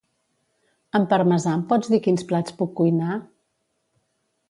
Amb parmesà em pots dir quins plats puc cuinar?